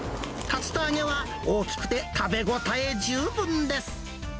竜田揚げは大きくて食べ応え十分です。